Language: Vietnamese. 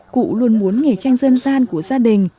cụ luôn muốn nghề tranh dân gian của gia đình